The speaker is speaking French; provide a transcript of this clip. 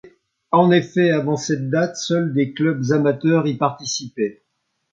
En effet, avant cette date, seuls des clubs amateurs y participaient.